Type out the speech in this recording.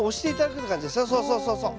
そうそうそうそうそう。